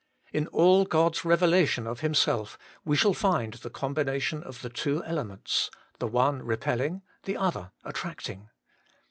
In all God's revelation of Himself we shall find the combination of the two elements, the one repelling, the other attracting.